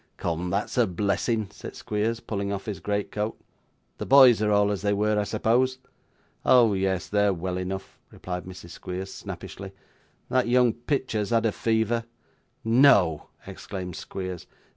'Come; that's a blessing,' said Squeers, pulling off his great coat. 'The boys are all as they were, I suppose?' 'Oh, yes, they're well enough,' replied Mrs. Squeers, snappishly. 'That young Pitcher's had a fever.' 'No!' exclaimed Squeers.